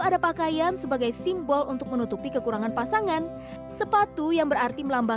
dan siap bertanggung jawab